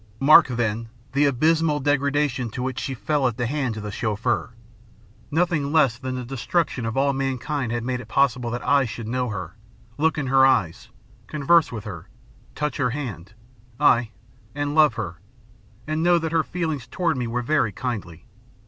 Mark, then, the abysmal degradation to which she fell at the hands of the Chauffeur. Nothing less than the destruction of all mankind had made it possible that I should know her, look in her eyes, converse with her, touch her hand ay, and love her and know that her feelings toward me were very kindly.